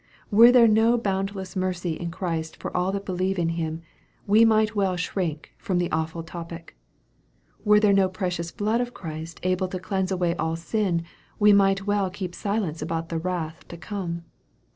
Were there no boundless mercy in Christ for all that believe in Him, we might well shrink from the awful topic. Were there no precious blood of Christ able to cleanse away all sin, we might well keep silence about the wrath to come.